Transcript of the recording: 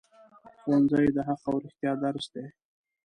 ښوونځی د حق او رښتیا درس دی